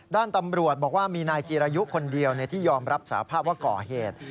ด้านตำรวจบอกว่ามีนายจีรายุคนเดียวที่ยอมรับสาภาพว่าก่อเหตุ